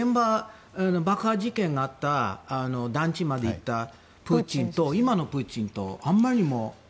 爆破事件があった団地まで行ったプーチンと今のプーチンと、あまりにも。